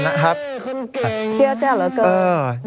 เจ้าเจ้าเหลือเกิน